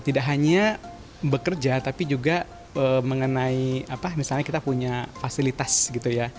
tidak hanya bekerja tapi juga mengenai apa misalnya kita punya fasilitas gitu ya